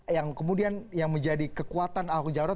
yang kemudian menjadi kekuatan ahok jawrat